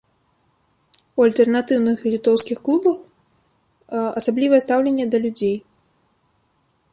У альтэрнатыўных літоўскіх клубах асаблівае стаўленне да людзей.